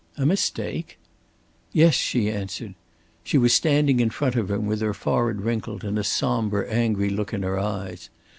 "A mistake?" "Yes," she answered. She was standing in front of him with her forehead wrinkled and a somber, angry look in her eyes.